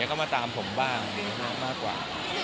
ก็มาตามผมบ้างมากกว่า